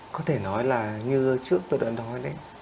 có thể nói là như trước tôi đoạn đó ấy